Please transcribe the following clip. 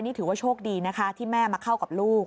นี่ถือว่าโชคดีนะคะที่แม่มาเข้ากับลูก